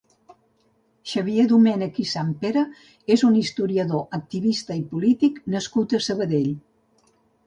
Xavier Domènech i Sampere és un historiador, activista i polític nascut a Sabadell.